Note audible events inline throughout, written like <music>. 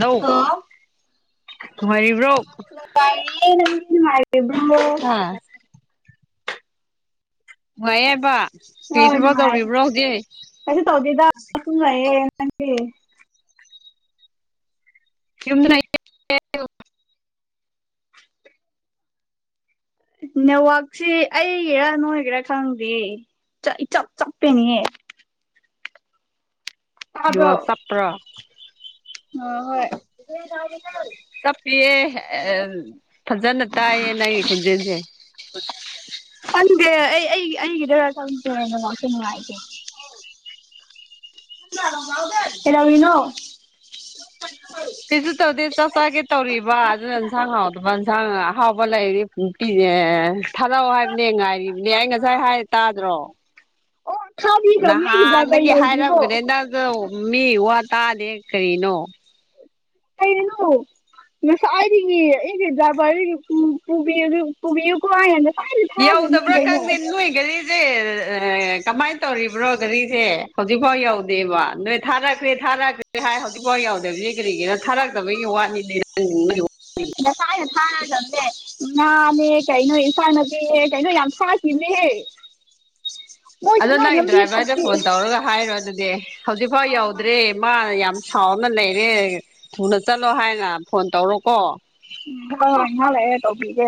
ꯅꯧ hello ꯅꯨꯡꯉꯥꯏꯔꯤꯕ꯭ꯔꯣ ꯅꯨꯉꯥꯏꯔꯤꯌꯦ ꯅꯪꯗꯤ ꯅꯨꯉꯥꯏꯔꯤꯕ꯭ꯔꯣ꯫ ꯍꯥ ꯅꯨꯡꯉꯥꯏꯌꯦꯕ ꯀ꯭ꯔꯤ ꯍꯣꯏ ꯊꯕꯛ ꯅꯨꯡꯉꯥꯏꯔꯤ ꯇꯧꯔꯤꯕ꯭ꯔꯣ ꯍꯧꯖꯤꯛ꯫ ꯇꯨꯡꯉꯌꯦ ꯅꯪꯗꯤ꯫ ꯌꯨꯝꯗ ꯂꯩ꯫ ꯅꯦꯠꯋꯛꯁꯤ ꯑꯩꯒꯤꯔꯥ ꯅꯣꯏꯒꯤꯔꯥ ꯈꯪꯗꯦ ꯆꯥ ꯏꯆꯞ ꯆꯞꯄꯦꯅꯦ꯫ ꯅꯦꯋꯥꯛ ꯇꯞꯄ꯭ꯔꯣ꯫ ꯉ ꯍꯣꯏ__ <unintelligible> ꯆꯠꯄꯤꯌꯦ ꯑ ꯐꯖꯅ ꯇꯥꯏꯌꯦ ꯅꯪꯒꯤ ꯈꯣꯟꯖꯦꯟꯁꯦ꯫ ꯈꯪꯗꯦ ꯑꯩ ꯑꯩ ꯑꯩꯒꯤꯔ ꯈꯡꯗꯦ ꯅꯦꯋꯥꯛꯁꯦ ꯅꯨꯡꯉꯥꯏꯇꯦ꯫ ꯀꯩꯗꯧꯔꯤꯅꯣ__ ꯀꯩꯁꯨ ꯇꯧꯗꯦ ꯆꯥꯛ ꯆꯥꯒꯦ ꯇꯧꯔꯤꯕ ꯑꯗꯨꯅ ꯏꯟꯁꯥꯡ ꯍꯥꯎꯇꯕ ꯏꯟꯁꯥꯡ ꯑꯍꯥꯎꯕ ꯂꯩꯔꯤ꯫ ꯅꯨꯄꯤ ꯑꯦ ꯊꯥꯔꯛꯑꯣ ꯍꯥꯏꯕꯅꯦ ꯉꯥꯏꯔꯤꯕꯅꯦ ꯑꯩ ꯉꯁꯥꯏ ꯍꯥꯏ ꯇꯥꯗ꯭ꯔꯣ꯫ ꯑꯣ ꯊꯥꯕꯤꯈ꯭ꯔꯕꯅꯦ ꯑꯩꯒꯤ ꯗ꯭ꯔꯥꯏꯚꯔ ꯅꯍꯥꯟꯗꯒꯤ ꯌꯧꯗ꯭ꯔꯤꯕꯣ ꯍꯥꯏꯔꯝꯒꯅꯦ ꯅꯪꯖꯨ ꯃꯤ ꯋꯥ ꯇꯥꯗꯦ ꯀꯔꯤꯅꯣ꯫ ꯀꯩꯔꯤꯅꯣ ꯉꯁꯥꯏꯗꯒꯤ ꯑꯥꯒꯤ ꯗ꯭ꯔꯥꯕꯔ ꯄꯨ ꯄꯨꯕꯤꯌꯨ ꯄꯨꯕꯤꯌꯨꯀꯣ ꯍꯥꯏꯔꯤꯅꯤ꯫ ꯌꯧꯗꯕ꯭ꯔꯥ ꯈꯪꯗꯦ ꯅꯣꯏꯒꯔꯤꯖꯏ꯫ ꯆꯦꯑ ꯀꯃꯥꯏ ꯇꯧꯔꯤꯕ꯭ꯔꯣ ꯘꯔꯤꯁꯦ ꯍꯧꯖꯤꯛꯐꯥꯎ ꯌꯧꯗꯦꯕ ꯅꯣꯏ__ ꯊꯥꯔꯛꯈ꯭ꯔꯦ ꯊꯥꯔꯛꯈ꯭ꯔꯦ ꯍꯥꯏ ꯍꯧꯖꯤꯛꯐꯥꯎ ꯌꯧꯗꯕꯖꯤ ꯀ꯭ꯔꯤꯒꯤꯔ ꯊꯥꯔꯛꯇꯕꯒꯤ ꯋꯥꯅꯤꯅꯦ ꯅꯪ ꯅꯪꯒꯤ ꯋꯥ ꯅꯁꯥꯏꯅ ꯊꯥꯒ꯭ꯔꯕꯅꯦ꯫ ꯉꯥꯅꯦ ꯀꯩꯅꯣ ꯏꯟꯐꯥꯜꯅꯄꯤꯍꯦ ꯀꯩꯅꯣ ꯌꯥꯝ ꯁꯥꯈꯤꯕꯅꯦꯍꯦ <inaudible> ꯑꯗꯣ ꯅꯪꯒꯤ ꯗ꯭ꯔꯥꯏꯕꯔꯗ ꯐꯠꯇꯦ ꯐꯣꯟ ꯍꯣꯏ ꯇꯧꯔꯒ ꯍꯥꯏꯔꯣ ꯑꯗꯨꯗꯤ ꯍꯧꯖꯤꯛꯐꯥꯎ ꯌꯧꯗ꯭ꯔꯦ ꯃꯥ ꯌꯥꯝ ꯁꯥꯎꯅ ꯂꯩꯔꯦ ꯊꯨꯅ ꯆꯠꯂꯣ ꯍꯥꯏꯅ ꯐꯣꯟ ꯇꯧꯔꯣꯀꯣ꯫ <unintelligible> ꯉꯍꯥꯛ ꯂꯩꯔ ꯇꯧꯕꯤꯒꯦ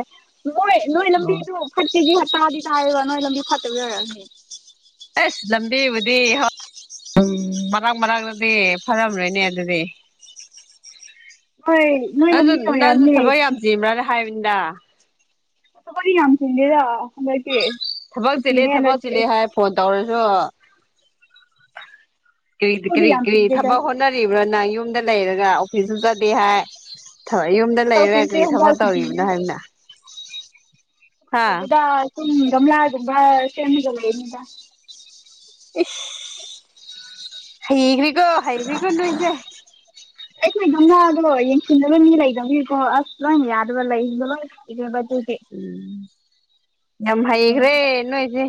ꯃꯣꯏ ꯅꯣꯏ ꯑꯣ ꯅꯣꯏꯂꯝꯕꯤꯗꯨ_ _ <unintelligible> ꯇꯥꯗꯤ ꯇꯥꯏꯕ ꯅꯣꯏ ꯂꯝꯕꯤ ꯐꯠꯇꯕꯩ ꯑꯣꯏꯔꯝꯅꯤ꯫ ꯑꯁ ꯂꯝꯕꯤꯕꯨꯗꯤ ꯍꯣꯏ꯫ ꯎꯝ ꯃꯔꯛ ꯃꯔꯡꯇꯗꯤ ꯐꯔꯝꯔꯣꯏꯅꯦ ꯑꯗꯨꯗꯤ꯫ ꯍꯣꯏ ꯅꯣꯏ ꯑꯗꯣ ꯂꯝꯕꯤ ꯅꯪꯖꯨ ꯑꯣꯏꯔꯝꯅꯤ ꯊꯕꯛ ꯌꯥꯝ ꯆꯕ꯭ꯔꯥꯅ ꯍꯥꯏꯕꯅꯤꯗ꯫ ꯊꯕꯛꯇꯤ ꯌꯥꯝ ꯆꯤꯟꯗꯦꯗ꯫ ꯍꯟꯗꯛꯇꯤ ꯊꯕꯛ ꯆꯤꯂꯦ ꯁꯨꯇꯤꯅꯦ ꯊꯕꯛ ꯍꯟꯗꯛꯇꯤ ꯆꯤꯂꯦ ꯍꯥꯏ ꯐꯣꯟ ꯇꯧꯔꯖꯨ꯫ ꯀ꯭ꯔꯤ ꯀ꯭ꯔꯤ ꯊꯕꯛꯇꯤ ꯌꯥꯝ ꯆꯤꯟꯗꯦꯗ ꯀ꯭ꯔꯤꯊꯕꯛ ꯍꯣꯠꯅꯔꯤꯕ꯭ꯔꯥ ꯅꯪ ꯌꯨꯝꯗ ꯂꯩꯔꯒ ꯑꯣꯐꯤꯁꯁꯨ ꯆꯠꯗꯦ ꯍꯥꯏ꯫ ꯊꯑꯣꯏ ꯌꯨꯝꯗ ꯂꯩꯔꯒ ꯑꯣꯐꯤꯁꯁꯦ ꯀꯔꯤ ꯍꯟꯗꯛ ꯊꯕꯛ ꯇꯧꯔꯤꯕꯅꯣ ꯁꯨꯇꯤꯅꯦ ꯍꯥꯏꯕꯅ꯫ ꯍꯥ ꯇꯧꯗꯦꯗꯥ ꯑꯥꯁꯨꯝꯃ ꯒꯝꯂ ꯒꯨꯝꯕ ꯁꯦꯝꯃꯤꯒ ꯂꯩꯕꯅꯤꯗ꯫ ꯏꯁ ꯍꯩꯒ꯭ꯔꯤꯀꯣ꯫ <unintelligible> ꯑꯩꯈꯣꯏ ꯒꯝꯂꯥꯗꯣ ꯌꯦꯡꯁꯤꯟꯅꯕ ꯃꯤ ꯂꯩꯗꯕꯅꯤꯀꯣ ꯑꯁ ꯂꯣꯏ ꯌꯥꯗꯕ ꯂꯩꯗꯣ ꯂꯣꯏ ꯏꯕꯦꯝꯃꯥꯗꯨꯗꯤ ꯎꯝ ꯌꯥꯝ ꯎꯝ ꯍꯩꯈ꯭ꯔꯦ ꯅꯣꯏꯖꯦ꯫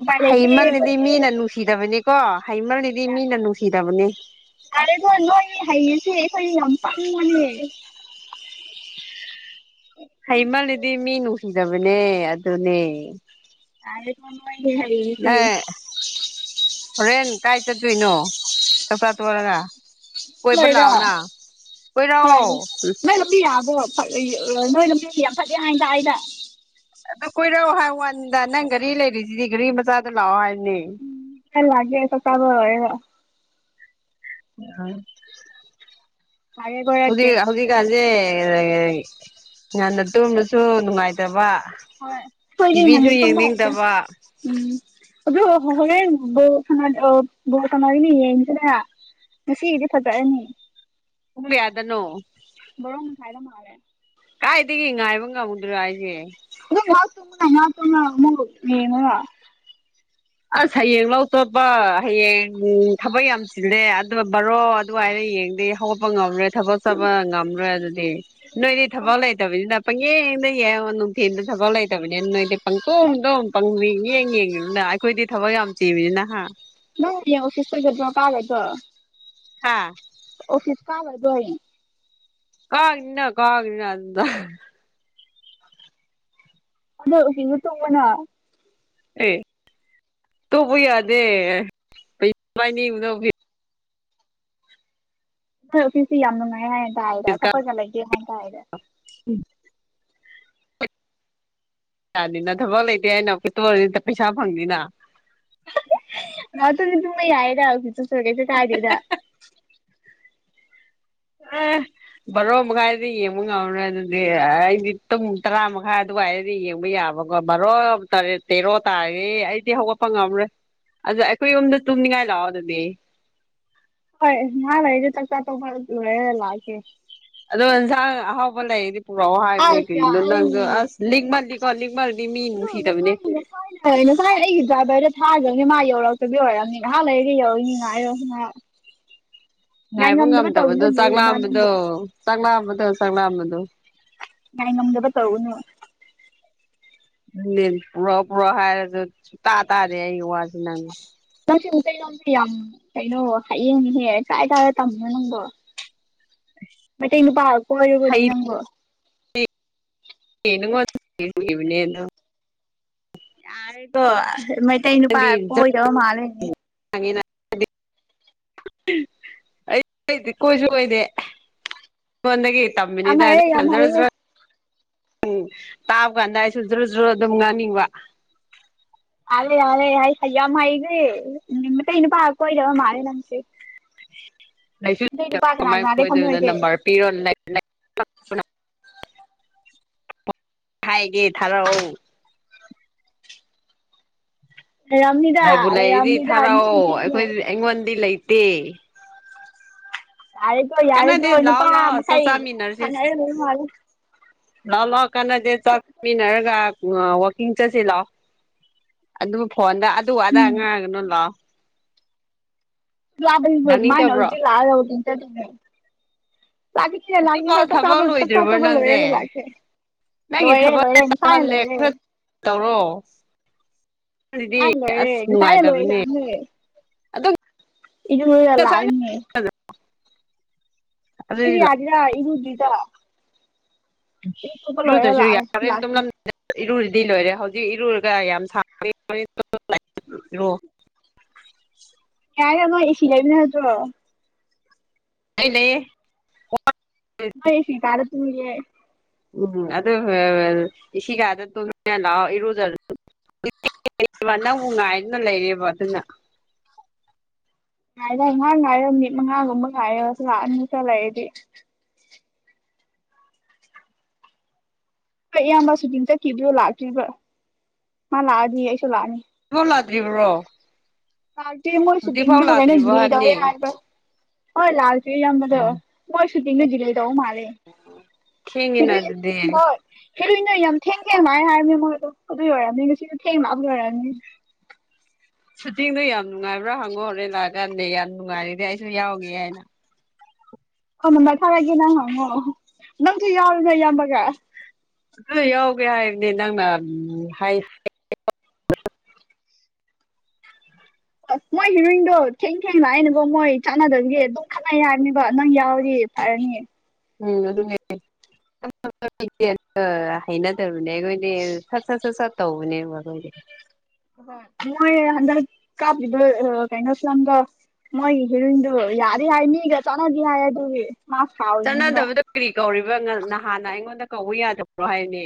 ꯎꯄꯥꯏ ꯂꯩꯇꯦ ꯍꯩꯃꯜꯂꯥꯗꯤ ꯑꯩꯈꯣꯏꯗꯤ ꯃꯤꯅ ꯅꯨꯡꯁꯤꯗꯕꯅꯦꯀꯣ ꯍꯩꯃꯜꯅꯤꯗꯤ ꯃꯤꯅ ꯅꯨꯡꯁꯤꯗꯕꯅꯦ꯫ ꯑꯔꯦꯀꯣ ꯅꯣꯏ ꯍꯩꯔꯤꯁꯤ ꯑꯩꯈꯣꯏ ꯌꯥꯝ ꯄꯪꯕꯅꯦ꯫ <inaudible> ꯍꯩꯃꯜꯂꯤꯗꯤ ꯃꯤ ꯅꯨꯡꯁꯤꯗꯕꯅꯦ ꯑꯗꯨꯅꯦ꯫ ꯌꯔꯦꯀꯣ ꯅꯣꯏꯅꯦ ꯍꯩꯔꯤꯁꯤ꯫ ꯅꯪ ꯍꯣꯔꯦꯟ ꯀꯥꯏ ꯆꯠꯇꯨꯏꯅꯣ ꯆꯥꯛꯆꯥ ꯇꯔꯒ꯫ ꯆꯠꯂꯣꯏꯗ ꯍꯣꯏ ꯀꯣꯏꯔꯛꯑꯣ ꯅꯣꯏ ꯂꯝꯕꯤ ꯌꯥꯕꯔꯣ꯫ ꯅꯣꯏꯅ ꯃꯁꯤ ꯌꯥꯝ ꯐꯠꯂꯦ ꯍꯥꯏꯗ ꯑꯩꯅ꯫ ꯑꯗꯨ ꯀꯣꯏꯔꯛꯑꯣ ꯍꯥꯏ ꯋꯥꯟꯗ ꯅꯪ ꯒꯥꯔꯤ ꯂꯩꯔꯤꯁꯤꯗꯤ ꯒꯥꯔꯤ ꯃꯆꯥꯗ ꯂꯥꯛꯑꯣ ꯍꯥꯏꯝꯅꯤ꯫ ꯍꯣꯔꯦꯟ ꯂꯥꯛꯀꯦ ꯆꯥꯛ ꯆꯥꯕ ꯂꯣꯏꯔꯒ꯫ <unintelligible> ꯂꯥꯛꯀꯦ ꯀꯣꯏꯔꯛꯀꯦ ꯍꯧꯖꯤꯛ ꯍꯧꯖꯤꯛꯀꯥꯟꯁꯦ ꯉꯥꯟꯅ ꯇꯨꯝꯕꯁꯨ ꯅꯨꯡꯉꯥꯏꯇꯕ꯫ ꯍꯣꯏ ꯑꯈꯣꯏꯗꯤ ꯉꯥꯟꯅ ꯇꯤꯚꯤꯁꯨ ꯇꯨꯝꯕ ꯍꯩꯇꯦ꯫ ꯌꯦꯡꯅꯤꯡꯗꯕ ꯎꯝ ꯑꯗꯨ ꯍꯣꯔꯦꯟ ꯕꯣꯜ ꯁꯥꯅ ꯑ ꯕꯣꯜ ꯁꯅꯔꯗꯤ ꯌꯦꯁꯤꯔ꯫ ꯉꯁꯤꯒꯤꯗꯤ ꯐꯖꯔꯅꯤ꯫ ꯄꯨꯡ ꯀꯥꯌꯗꯅꯣ꯫ ꯕꯥꯔꯣ ꯃꯈꯥꯏꯗ ꯃꯥꯜꯂꯦ꯫ ꯀꯥꯏꯗꯒꯤ ꯉꯥꯏꯕ ꯉꯝꯃꯨꯗ꯭ꯔꯣ ꯍꯥꯏꯁꯦ꯫ ꯑꯗꯨꯝ ꯉꯍꯥꯛꯇꯨꯝꯃꯨꯅꯦ ꯉꯍꯥꯛ ꯇꯨꯝꯔꯒ ꯑꯃꯨꯛ ꯌꯦꯡꯉꯨꯔ꯫ ꯑꯁ ꯍꯌꯦꯡ ꯂꯧ ꯇꯣꯠꯄ ꯍꯌꯦꯡ ꯊꯕꯛ ꯌꯥꯝ ꯆꯤꯜꯂꯦ ꯑꯗꯨ ꯕꯔꯣ ꯑꯗꯨꯋꯥꯥꯏꯅ ꯌꯦꯡꯗꯦ ꯍꯧꯒꯠꯄ ꯉꯝꯂꯣꯏ ꯊꯕꯛ ꯆꯠꯕ ꯉꯝꯂꯣꯏ ꯑꯗꯨꯗꯤ꯫ ꯅꯣꯏꯗꯤ ꯊꯕꯛ ꯂꯩꯇꯕꯅꯤꯅ ꯄꯪꯌꯦꯡꯗ ꯌꯦꯡꯉꯣ ꯅꯨꯡꯊꯤꯟꯗ ꯊꯕꯛ ꯂꯩꯇꯕꯅꯤꯅ ꯅꯣꯏꯗ ꯄꯪꯇꯨꯝ ꯇꯨꯝ ꯄꯪ ꯌꯦꯡ ꯌꯦꯡꯉꯤꯕꯅ ꯑꯩꯈꯣꯏꯗꯤ ꯊꯕꯛ ꯌꯥꯝ ꯆꯤꯃꯤꯅꯤꯅꯍꯥ꯫ ꯅꯪ ꯑꯣꯐꯤꯁꯇꯗꯣ <unintelligible> ꯀꯥꯒꯗꯔꯣ꯫ ꯍꯥꯥ꯫ ꯑꯣꯐꯤꯁ ꯀꯥꯒꯗꯔꯣ ꯍꯥꯌꯦꯡ꯫ ꯀꯥꯅꯤꯅ ꯀꯥꯒꯅꯤꯅ ꯑꯗꯨꯗ꯫ ꯑꯗ ꯏꯅ ꯇꯣꯡꯕꯅ ꯑꯦ ꯇꯣꯛꯄ ꯌꯥꯗꯦ ꯀꯩ <unintelligible> ꯁꯤꯁꯤ ꯌꯥꯝ ꯅꯨꯡꯉꯥꯏ ꯍꯥꯏꯅ ꯇꯥꯏꯗ ꯐꯤꯁ ꯀꯥ ꯊꯕꯛꯀ ꯂꯩꯇꯦ ꯍꯥꯏꯅ ꯇꯥꯏꯗ꯫ ꯌꯥꯅꯤꯅ ꯊꯕꯛ ꯂꯩꯇꯦ ꯑꯩꯅꯐꯦꯠꯇ ꯑꯣꯏꯅꯤ ꯄꯩꯁꯥ ꯐꯪꯅꯤꯅ꯫ ꯑꯗꯨꯗꯤ ꯇꯨꯝꯕ ꯌꯥꯏꯌꯦꯗ ꯑꯦꯠꯖꯠꯁ ꯀꯥꯏꯗꯦꯗ꯫ ꯎꯝ꯫ ꯕꯥꯔꯣ ꯃꯈꯥꯏꯗꯤ ꯌꯦꯡꯕ ꯉꯝ꯭ꯔꯣꯏ ꯑꯗꯨꯗꯤ ꯑꯩꯗꯤ ꯄꯨꯡ ꯇꯔꯥ ꯃꯈꯥꯏ ꯑꯗꯨꯋꯥꯏꯗꯤ ꯌꯦꯡꯕ ꯌꯥꯕ꯫ ꯕꯥꯔꯣꯠ ꯇꯔꯦꯠ ꯇꯦꯔꯣ ꯇꯥꯔꯦ ꯑꯩꯗꯤ ꯍꯧꯒꯠꯄ ꯉꯝꯔꯔꯣꯏ꯫ ꯑꯗꯣ ꯑꯩꯈꯣꯏ ꯌꯨꯝꯗ ꯇꯨꯝꯅꯤꯡꯉꯥꯏ ꯂꯥꯛꯑꯣ ꯑꯗꯨꯗꯤ꯫ ꯍꯣꯏ ꯉꯍꯥꯛ ꯂꯩꯥꯔꯖꯦ ꯆꯥꯛꯆꯥ ꯇꯣꯛꯄ ꯂꯣꯏꯔꯒ ꯂꯥꯛꯑꯗꯨ ꯑꯗꯨ ꯌꯦꯟꯁꯡ ꯍꯥꯎꯕ ꯂꯩ ꯄꯨꯔꯛꯑꯣ ꯍꯥꯏꯕꯅꯦ ꯑꯁ ꯀꯒꯤꯅꯣ ꯅꯪꯁꯨ ꯑꯩ ꯑꯁ ꯂꯤꯡꯃꯜꯂꯤꯀꯣ ꯂꯤꯡꯃꯜꯗꯤ ꯃꯤ ꯅꯨꯡꯁꯤꯗꯕꯅꯦ꯫ ꯍꯣꯏ ꯉꯁꯥꯏꯅ ꯑꯩꯒꯤ ꯗ꯭ꯔꯥꯏꯚꯔꯗꯣ ꯊꯥꯈ꯭ꯔꯕꯅꯤ ꯃꯥ ꯌꯧꯔꯛꯇꯕꯤ ꯑꯣꯏꯔꯕꯝꯅꯤ ꯉꯥꯏꯍꯥꯛ ꯂꯩ ꯌꯥꯎ ꯉꯥꯏꯔꯣ ꯉꯥꯛ ꯉꯥꯏꯕ ꯉꯝꯗꯕꯗꯣ ꯆꯥꯛ ꯇꯧꯒꯅꯨꯅꯦ ꯃꯥ ꯂꯥꯝꯕꯗꯣ ꯅꯪꯕꯨ ꯆꯥꯛ ꯂꯥꯝꯕꯗꯣ ꯆꯥꯛꯂꯥꯝꯕꯗꯣ꯫ ꯃꯥꯏ ꯉꯝꯗꯦꯕ ꯇꯧꯒꯅꯨ꯫ ꯄꯨꯔꯛꯑꯣ ꯄꯨꯔꯛꯑꯣ ꯍꯥꯏꯔꯁꯨ ꯁꯨꯇꯥ ꯇꯥꯔꯦ ꯑꯩ ꯋꯥꯁꯤ ꯅꯪ꯫ ꯅꯪꯁ ꯃꯨ ꯀ ꯅꯪꯗꯤ ꯌꯥꯝ ꯀꯩꯅꯣ ꯍꯌꯦꯡꯅꯤꯍꯦ ꯆꯥꯥꯏ ꯇꯥꯔ ꯇꯝꯃꯤꯅꯦ ꯅꯪꯗꯣ꯫ <inaudible> ꯃꯇꯩ ꯅꯨꯄꯥꯥ ꯍꯩ ꯀꯣꯏꯔꯨꯕꯅꯤꯅ ꯀꯣ꯫ ꯀꯤꯅꯕ <unintelligible> ꯌꯥꯔꯦꯀꯣ ꯃꯩꯇꯩ ꯅꯨꯄꯥ ꯀꯣꯏꯗꯕ ꯃꯥꯜꯂꯦꯅꯦ꯫ ꯪ <unintelligible> ꯑꯩꯗꯤ ꯀꯣꯏꯁꯨ ꯀꯣꯏꯗꯦꯕ ꯍꯥꯏꯗꯤ ꯅꯉꯣꯟꯗꯍꯤ ꯌꯥꯝ ꯇꯝꯕꯅꯤꯗ꯫ ꯍꯩꯔꯦ ꯌꯥꯝ ꯍꯩꯔꯦ ꯎꯝ ꯇꯥꯕ ꯀꯥꯟꯗ ꯑꯩꯖꯨ ꯖ꯭ꯔꯨ ꯖ꯭ꯔꯨ ꯑꯗꯨꯝ ꯉꯥꯡꯅꯤꯡꯕ ꯑꯥꯔꯦ ꯑꯥꯔꯦ ꯍꯩ ꯍꯩ ꯌꯥꯝ ꯍꯩꯈ꯭ꯔꯦ ꯃꯩꯇꯩ ꯅꯨꯄꯥ ꯀꯣꯏꯅꯕ ꯃꯥꯜꯂꯦ ꯅꯪꯁꯦ ꯂꯩꯁꯨ ꯃꯩꯇꯩ ꯅꯨꯄꯥ ꯀꯅꯥ ꯀꯃꯥꯏꯟ ꯀꯅꯥꯗꯩ ꯀꯗꯣꯏꯅꯣ ꯈꯪꯅꯒꯦ ꯅꯝꯕꯔ ꯄꯤꯔꯣꯟ <unintelligible> ꯍꯥꯏꯒꯦ ꯊꯥꯔꯛꯑꯣ ꯂꯩꯔꯝꯅꯤꯗ ꯂꯩꯕꯨ ꯂꯩꯔꯗꯤ ꯂꯩꯔꯝꯅꯤꯗ ꯅꯆꯤꯟ ꯊꯔꯛꯑꯣ ꯊꯤꯒꯅꯨ ꯑꯩꯈꯣꯏꯗꯤ ꯑꯩꯉꯣꯟꯗꯤ ꯂꯩꯇꯦ ꯌꯥꯔꯦꯀꯣ ꯌꯥꯔꯦꯀꯣ ꯀꯥꯟꯅꯗꯦ ꯂꯥꯛꯑꯣ ꯅꯨꯄꯥ ꯂꯥꯛꯑꯣ ꯆꯥꯛ ꯃꯈꯩ ꯁꯥꯟꯅꯔꯅꯨ ꯉꯥꯏꯌꯨ ꯂꯥꯎ ꯂꯥꯎ ꯀꯥꯟꯅꯗꯦ ꯆꯥꯛꯃꯤꯟꯅꯔꯒ ꯋꯥꯛꯀꯤꯡ ꯆꯠꯁꯤ ꯂꯥꯛꯑꯣ ꯑꯗꯨꯕꯨ ꯐꯣꯟꯗ ꯑꯗꯨ ꯑꯗꯥ ꯎꯝ ꯉꯥꯡꯉꯅꯨ ꯂꯥꯛꯑꯣ ꯂꯥꯞꯄꯁꯤꯕꯨ ꯀꯃꯥꯥꯏꯅ ꯂꯥꯛꯅꯤꯡꯗꯕ꯭ꯔꯣ ꯍꯧꯖꯤꯛ ꯂꯥꯛꯑꯒ ꯋꯥꯀꯤꯡ ꯆꯠꯇꯣꯏ ꯂꯥꯛꯅꯤꯡꯉꯤꯌꯦ ꯍꯧꯖꯤꯛꯐꯥꯎ ꯂꯥꯛꯅꯤꯡꯗ꯭ꯔꯦ ꯆꯥꯛꯆꯥꯕ ꯊꯕꯛ ꯆꯥꯛꯆꯥ ꯂꯣꯏꯗ꯭ꯔꯤꯕꯣ ꯇꯣꯛꯑꯒ ꯅꯪꯁꯦ ꯂꯣꯏꯔꯦ ꯂꯥꯛꯀꯦ ꯅꯪꯒꯤ ꯂꯣꯏꯔꯦ ꯊꯕꯛ ꯂꯣꯏꯔꯦ ꯉꯁꯥꯏꯟ ꯇꯥꯃꯜꯂꯦ ꯂꯣꯏꯔꯦ ꯈꯔ ꯇꯧꯔꯣ ꯑꯗꯨꯗꯤ ꯉꯁꯥꯏꯟ ꯂꯣꯏꯔꯦ ꯑꯁ ꯉꯁꯥꯏꯅ ꯅꯨꯡꯉꯥꯏꯇꯕꯅꯦ ꯂꯣꯏꯈ꯭ꯔꯕꯅꯦ ꯑꯗꯨ ꯏꯔꯨꯔꯒ ꯉꯁꯥꯏ ꯂꯥꯛꯑꯅꯤ ꯄꯨꯈꯤꯗ ꯑꯗꯨꯗꯤ ꯌꯥꯒꯦꯔ ꯏꯔꯨꯗ꯭ꯔꯤꯗꯣ ꯂꯣꯏꯔ ꯌꯨꯗꯁꯨ ꯌꯥ ꯂꯥꯛꯑꯦ ꯍꯣꯔꯦꯟ ꯂꯥꯛꯀꯅꯤ ꯇꯨꯝꯂꯝ ꯏꯔꯨꯨꯔꯗꯤ ꯂꯣꯏꯔꯦ ꯍꯧꯖꯤꯛ ꯏꯔꯨꯔꯒ ꯌꯥꯝ ꯁꯥꯡ ꯏꯔꯨ ꯌꯥꯔꯦꯝ ꯅꯣꯏ ꯑꯦꯁꯤ ꯂꯩꯕ ꯅꯠꯇ꯭ꯔꯣ ꯑꯩ ꯂꯩꯌꯦ ꯃꯥꯏ ꯑꯦꯁꯤ ꯄꯥꯜꯂ ꯇꯨꯝꯅꯤꯡꯉꯦ ꯎꯝ ꯑꯗꯨꯒ ꯑꯦꯁꯤꯒꯥꯗ ꯇꯨꯝꯅꯤꯡꯉ ꯂꯥꯛꯑꯣ ꯏꯔꯨꯖꯔ <unintelligible> ꯅꯪꯕꯨ ꯉꯥꯏꯗꯨꯅ ꯂꯩꯔꯦꯕ ꯑꯗꯨꯅ ꯉꯥꯏꯗ ꯉꯥꯛ ꯉꯥꯏꯔꯣ ꯃꯤꯠ ꯃꯉꯥꯒꯨꯝꯕ ꯉꯥꯏꯔꯁꯨ ꯂꯥꯛꯑꯅꯤ ꯆꯠꯂꯛꯏꯗꯤ ꯍꯣꯏ ꯏꯌꯥꯝꯕ ꯁꯨꯇꯤꯡ ꯆꯠꯈꯤꯕꯗꯣ ꯂꯥꯛꯇ꯭ꯔꯤꯕ ꯃꯥ ꯂꯥꯛꯑꯗꯤ ꯑꯩꯁꯨ ꯂꯥꯛꯑꯅꯤ ꯗꯣ ꯂꯥꯛꯇ꯭ꯔꯤꯕ꯭ꯔꯣ ꯂꯥꯛꯇꯦ ꯃꯣꯏ ꯍꯧꯖꯤꯛꯐꯥꯎ ꯁꯨꯇꯤꯡꯗꯣ ꯒꯥꯏꯅ ꯂꯥꯛꯇ꯭ꯔꯤꯕꯣ ꯗꯤꯂꯦ ꯇꯧꯋꯦ ꯍꯥꯏꯕꯅꯦ ꯍꯥꯏꯕ ꯍꯣꯏ ꯂꯥꯛꯇ꯭ꯔꯤꯌꯦ ꯏꯌꯥꯝꯕꯗꯣ ꯑꯣ ꯃꯣꯏ ꯁꯨꯇꯤꯡꯗꯣ ꯗꯤꯂꯦ ꯇꯧꯕ ꯃꯥꯜꯂꯦ ꯊꯦꯡꯉꯤꯅ ꯑꯗꯨꯗꯤ ꯍꯦꯔꯣꯏꯟꯅ ꯌꯥꯝ ꯊꯦꯡ ꯊꯦꯡ ꯂꯥꯛꯑꯦ ꯍꯥꯏꯃꯤ ꯃꯣꯏꯗꯣ ꯑꯗꯨꯏ ꯑꯣꯏꯔꯝꯅꯤ ꯉꯁꯤꯁꯨ ꯊꯦꯡ ꯂꯥꯛꯄꯒꯤ ꯑꯣꯏꯔꯝꯅꯤ ꯁꯨꯇꯤꯡꯗꯣ ꯌꯥꯝ ꯅꯨꯡꯉꯥꯏꯕ꯭ꯔꯥ ꯍꯪꯉꯣ ꯔꯦꯟ ꯂꯥꯛꯑꯀꯥꯟꯗꯤ ꯌꯥꯝ ꯅꯨꯡꯉꯥꯏꯔꯤꯗꯤ ꯑꯩꯁꯨ ꯌꯥꯎꯒꯦ ꯍꯥꯏꯅ ꯐꯣꯟ ꯅꯝꯕꯔ ꯊꯥꯔꯛꯑꯒꯦ ꯅꯪ ꯍꯪꯉꯣ ꯅꯪꯁꯨ ꯌꯥꯎꯔꯣꯅ ꯏꯌꯥꯝꯕꯒ ꯑꯗꯨ ꯌꯥꯎꯒꯦ ꯍꯥꯏꯔꯗꯤ ꯅꯪꯅ ꯍꯥꯏ ꯑꯁ ꯃꯣꯏ ꯍꯤꯔꯣꯏꯟꯗꯣ ꯊꯦꯡ ꯊꯦꯡ ꯂꯥꯛꯑꯦꯅꯒꯣ ꯃꯣꯏ ꯆꯥꯟꯅꯗꯕꯒꯤ ꯑꯗꯨꯝ ꯈꯠꯅꯩ ꯍꯥꯏꯕꯅꯦꯕ ꯅꯪ ꯌꯥꯎꯔꯗꯤ ꯐꯔꯅꯤ ꯎꯝ ꯑꯗꯨꯅꯦ <unintelligible> ꯑ ꯍꯩꯅꯗꯕꯅꯦ ꯑꯩꯈꯣꯏꯗꯤ ꯁꯠ ꯁꯠ ꯁꯠ ꯁꯠ ꯇꯧꯕꯅꯦꯕ ꯑꯩꯈꯣꯏꯗꯤ ꯑꯍꯣꯏ ꯃꯣꯏ ꯍꯟꯗꯛ ꯀꯥꯞꯄꯤꯕ ꯀꯩꯅꯣ ꯁꯦꯝꯗꯣ ꯃꯣꯏꯒꯤ ꯍꯦꯔꯣꯏꯟꯗꯨ ꯌꯥꯗꯤ ꯍꯥꯏ ꯃꯤꯒ ꯆꯥꯟꯅꯗꯤ ꯍꯥꯏ ꯑꯗꯨꯒꯤ ꯃꯥ ꯁꯥꯎꯔꯤꯅꯤꯕ ꯆꯠꯅꯗꯕꯗ ꯀ꯭ꯔꯤ ꯀꯧꯔꯤꯕ ꯉ ꯅꯍꯥꯟꯅ ꯑꯩꯉꯣꯟꯗ ꯀꯧꯕ ꯌꯥꯗꯕ꯭ꯔꯣ ꯍꯥꯏꯋꯅꯤ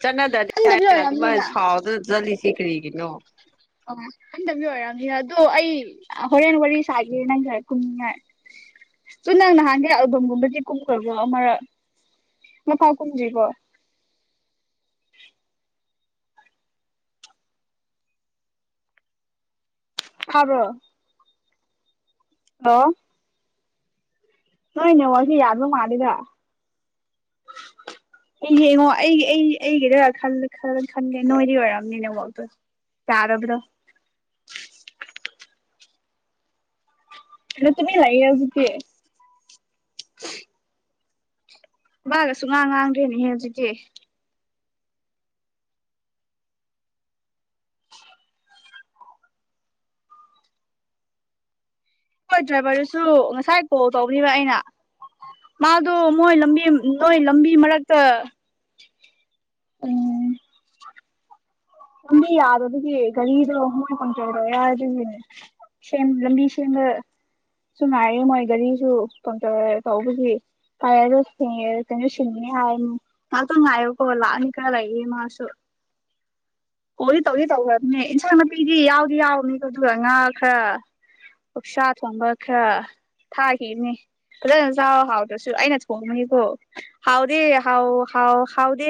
ꯆꯠꯅꯗꯗꯤ ꯈꯟꯗꯕꯒꯤ ꯍꯥꯏꯔꯒ ꯑꯗꯨꯃꯥꯏ ꯑꯣꯏꯔꯝꯅꯤꯗ ꯁꯥꯎꯗꯅ ꯆꯠꯂꯤꯁꯤ ꯀꯔꯤꯒꯤꯅꯣ ꯑꯣ ꯍꯟꯗꯕꯤ ꯑꯣꯏꯔꯝꯅꯤꯗ ꯑꯗꯣ ꯑꯩ ꯑ ꯍꯣꯔꯦꯟ ꯋꯥꯔꯤ ꯁꯒꯦ ꯅꯪꯒ ꯀꯨꯝꯅꯤꯉꯥꯏ ꯆꯨ ꯅꯪ ꯅꯍꯥꯟꯗꯤ ꯑꯜꯕꯝꯒꯨꯝꯕꯗꯤ ꯀꯨꯝꯈ꯭ꯔꯕꯣ ꯑꯃꯔꯛ ꯃꯥꯐꯥꯎ ꯀꯨꯝꯗ꯭ꯔꯤꯕꯣ ꯊꯥꯕ꯭ꯔꯣ ꯂꯣ ꯅꯣꯏ ꯅꯦꯠꯋꯥꯛꯁꯦ ꯌꯥꯕ ꯃꯥꯜꯂꯤꯗ <inaudible> ꯑꯩ ꯌꯦꯡꯉꯣ ꯑꯩꯒꯤ ꯑꯩ ꯑꯩꯒꯤꯗ <unintelligible> ꯈꯟꯒꯦ ꯅꯣꯏꯗꯤ ꯑꯣꯏꯔꯝꯅꯤ ꯅꯦ ꯋꯥꯛꯇꯨ ꯌꯥꯗꯕꯗꯣ <unintelligible> ꯇꯨꯃꯤꯟ ꯂꯩꯌꯦ ꯍꯧꯖꯤꯛꯇꯤ ꯋꯥꯒ ꯁꯨꯛꯉꯥꯡ ꯉꯥꯡꯗ꯭ꯔꯦꯅꯦꯍꯦ ꯍꯨꯖꯤꯛꯇꯤ ꯈꯣꯏ ꯗ꯭ꯔꯥꯏꯚꯔꯗꯨꯁꯨ ꯉꯁꯥꯏ ꯀꯣꯜ ꯇꯧꯕꯅꯦꯕ ꯑꯩꯅ ꯃꯥꯗꯣ ꯃꯣꯏ ꯂꯝꯕꯤ ꯅꯣꯏ ꯂꯝꯕꯤ ꯃꯔꯛꯇ ꯎꯝ ꯂꯝꯕꯤ ꯌꯥꯗꯕꯒꯤ ꯒꯥꯔꯤꯗꯣ ꯃꯣꯏ ꯄꯝꯆꯔ ꯇꯧꯋꯦ ꯍꯥꯢꯗꯨꯅꯤꯗ ꯑꯗꯨꯒꯤꯅꯦ ꯁꯦꯝ ꯂꯝꯕꯤ ꯁꯦꯝꯂ ꯁꯨꯝ ꯉꯥꯏꯌꯦ ꯃꯣꯏ ꯒꯥꯔꯤꯁꯨ ꯄꯝꯆꯔ ꯇꯧꯕꯒꯤ ꯍꯥꯢ ꯑꯗꯨ <unintelligible> ꯁꯤꯟꯅꯤ ꯍꯥꯏ ꯉꯥꯛꯇꯪ ꯉꯥꯏꯌꯣꯀꯣ ꯂꯥꯛꯑꯅꯤ ꯈꯔ ꯂꯩꯌꯦ ꯃꯥꯁꯨ ꯀꯣꯜꯗꯤ ꯇꯧꯗꯤ ꯇꯧꯈ꯬ꯔꯕꯅꯦ ꯏꯟꯁꯥꯡ ꯅꯥꯄꯤꯗꯤ ꯌꯥꯎꯗꯤ ꯌꯥꯎꯕꯅꯤꯀꯣ ꯑꯗꯨꯒ ꯉꯥ ꯈꯔ ꯑꯣꯛꯁꯥ ꯊꯣꯡꯕ ꯈ꯭ꯔ ꯊꯥꯈꯤꯕꯅꯦ ꯐꯖꯅ ꯆꯥꯎ ꯍꯥꯎꯗ꯭ꯔꯁꯨ ꯑꯩꯅ ꯊꯣꯡꯕꯅꯤꯀꯣ ꯍꯥꯎꯗꯤ ꯍꯥꯎ ꯍꯥꯎ ꯍꯥꯎꯗꯤ